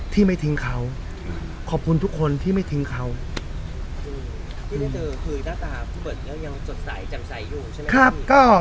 ที่ไม่ทิ้งเขาขอบคุณทุกคนที่ไม่ทิ้งเขาคือหน้าตาผู้เบิดแล้วยังจดใสจำใสอยู่ใช่ไหม